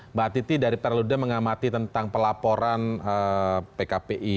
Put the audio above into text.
mbak titi dari perludem mengamati tentang pelaporan pkpi